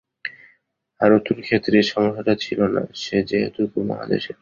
হাথুরুর ক্ষেত্রে এ সমস্যাটা ছিল না, সে যেহেতু উপমহাদেশের।